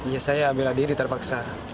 ya saya bela diri terpaksa